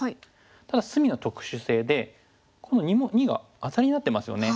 ただ隅の特殊性でこの②がアタリになってますよね。